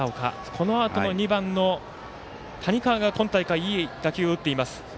このあとの２番の谷川が今大会いい打球を打っています。